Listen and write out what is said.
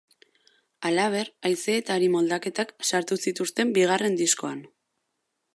Halaber, haize eta hari moldaketak sartu zituzten bigarren diskoan.